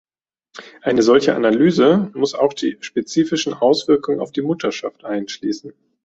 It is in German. Eine solche Analyse muss auch die spezifischen Auswirkungen auf die Mutterschaft einschließen.